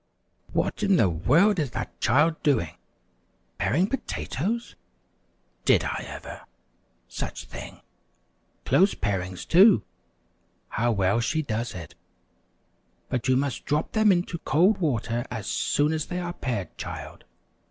"What in the world is that child doing? Paring potatoes? Did I ever! Such thin, close parings, too! How well she does it! But you must drop them into cold water as soon as they are pared, child.